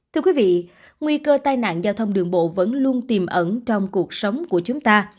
thưa quý vị nguy cơ tai nạn giao thông đường bộ vẫn luôn tiềm ẩn trong cuộc sống của chúng ta